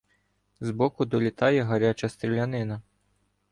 Збоку долітає гаряча стрілянина.